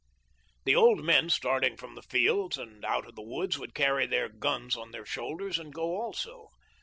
The old men starting from the fields and out of the woods would carry their guns on their shoulders and go also.